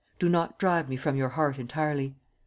Do not drive me from your heart entirely.